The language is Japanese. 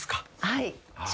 はい。